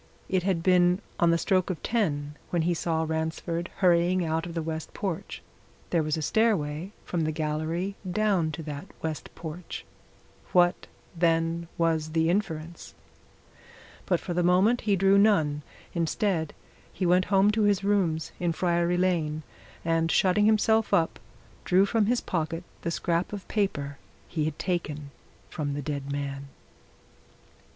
It had been on the stroke of ten when he saw Ransford hurrying out of the west porch. There was a stairway from the gallery down to that west porch. What, then, was the inference? But for the moment he drew none instead, he went home to his rooms in Friary Lane, and shutting himself up, drew from his pocket the scrap of paper he had taken from the dead man.